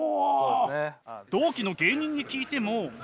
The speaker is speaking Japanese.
同期の芸人に聞いても。